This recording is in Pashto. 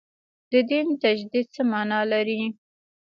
د دین تجدید څه معنا لري.